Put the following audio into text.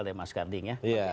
terlalu kental ya mas garding ya